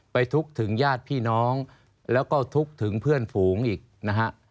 ทุกข์ถึงญาติพี่น้องแล้วก็ทุกข์ถึงเพื่อนฝูงอีกนะฮะ